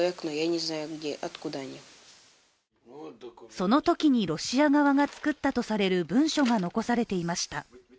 そのときにロシア側が作ったとされる文書が残されていました。